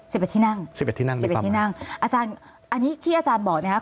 สิบเอ็ดที่นั่งสิบเอ็ดที่นั่งสิบเอ็ดที่นั่งอาจารย์อันนี้ที่อาจารย์บอกนะครับ